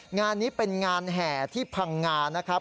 งานนี้เป็นงานแห่ที่พังงานะครับ